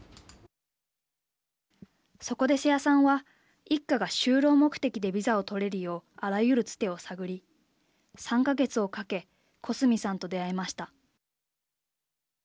そこで瀬谷さんは一家が就労目的でビザを取れるようあらゆる、つてを探り３か月をかけ小澄さんと出会いました。